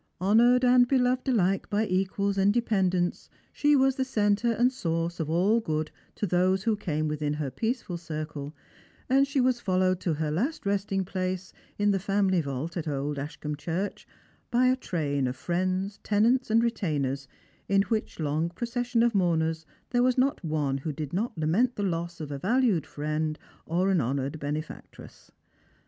Honoured and beloved alike by equals and dependants, Bhe was the centre and source of all good to those who came within her peaceful circle, and she was followed to her last resting place in the family vault in old Ashcombe church by a train of friends, tenants, and retainers, in which long procession of mourners there was not one who did not lament the loss of a valued friend or an honoured benefactress."